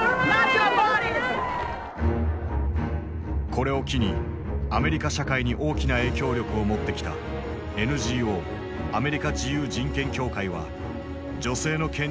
これを機にアメリカ社会に大きな影響力を持ってきたＮＧＯアメリカ自由人権協会は女性の権利を守るプロジェクトを始動させた。